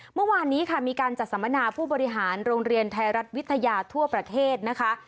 เมื่อวานนี้ค่ะมีการจัดสัมมนาผู้บริหารโรงเรียนไทยรัฐวิทยาทั่วประเทศนะคะ